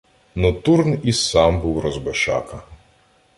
Но Турн і сам був розбишака